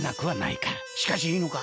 しかしいいのか？